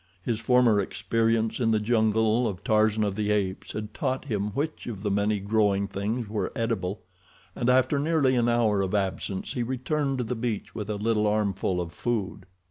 His former experience in the jungle of Tarzan of the Apes had taught him which of the many growing things were edible, and after nearly an hour of absence he returned to the beach with a little armful of food.